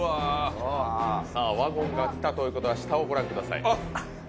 さあ、ワゴンが来たということは下をご覧ください。